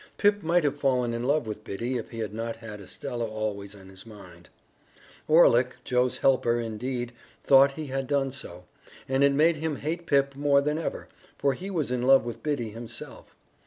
Pip might have fallen in love with Biddy if he had not had Estella always in his mind. Orlick, Joe's helper, indeed, thought he had done so, and it made him hate Pip more than ever, for he was in love with Biddy himself.